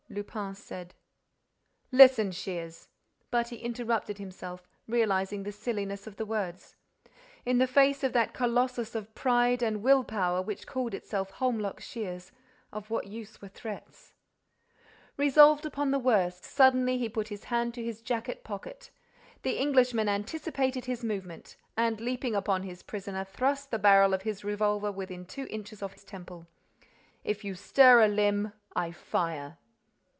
Lupin said: "Listen, Shears—" But he interrupted himself, realizing the silliness of the words. In the face of that colossus of pride and will power which called itself Holmlock Shears, of what use were threats? Resolved upon the worst, suddenly he put his hand to his jacket pocket. The Englishman anticipated his movement and, leaping upon his prisoner, thrust the barrel of his revolver within two inches of her temple: "If you stir a limb, I fire!"